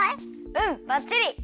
うんばっちり！